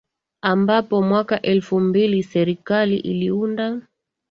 ambapo mwaka elfu mbili Serikali iliunda